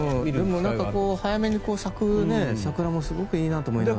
でも、早めに咲く桜もすごくいいなと思いながら。